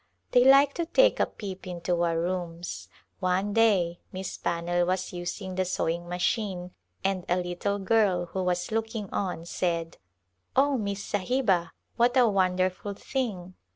They like to take a peep into our rooms. One day Miss Pannell was using the sewing machine and a lit tle girl who was looking on said, " Oh, Miss Sahiba, what a wonderful thing